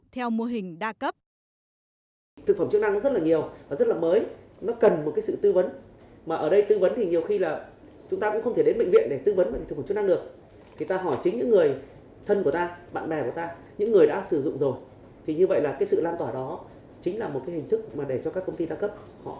theo mô hình đa cấp